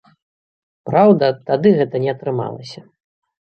Праўда, тады гэта не атрымалася.